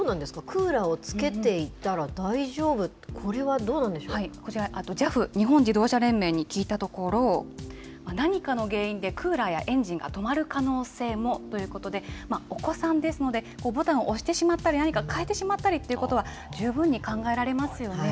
クーラーをつけていたら大丈夫、こちら、ＪＡＦ・日本自動車連盟に聞いたところ、何かの原因でクーラーやエンジンが止まる可能性もということで、お子さんですので、ボタンを押してしまったり、何か変えてしまったりということは、十分に考えられますよね。